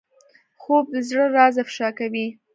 خوب د زړه راز افشا کوي